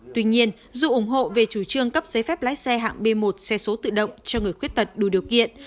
tuy nhiên dù ủng hộ về chủ trương cấp giấy phép lái xe hạng b một xe số tự động cho người khuyết tật đủ điều kiện